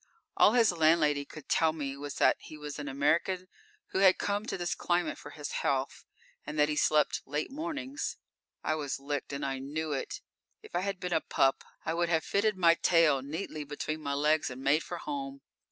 All his landlady could tell me was that he was an American who had come to this climate for his health, and that he slept late mornings. I was licked and I knew it. If I had been a pup, I would have fitted my tail neatly between my legs and made for home.